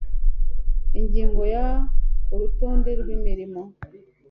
ingingo ya urutonde rw imirimo